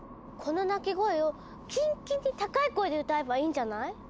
この鳴き声をキンキンに高い声で歌えばいいんじゃない？